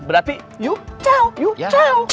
berarti yuk caw